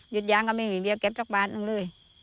ยุดยางก็ไม่มีเก็บทุกบันนะเลย